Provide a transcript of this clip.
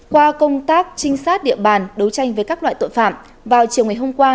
qua công tác trinh sát địa bàn đấu tranh với các loại tội phạm vào chiều ngày hôm qua